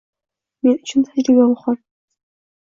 Men uchun tajriba muhim.